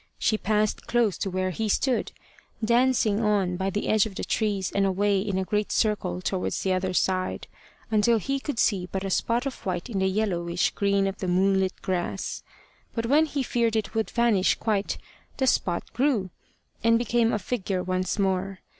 She passed close to where he stood, dancing on by the edge of the trees and away in a great circle towards the other side, until he could see but a spot of white in the yellowish green of the moonlit grass. But when he feared it would vanish quite, the spot grew, and became a figure once more.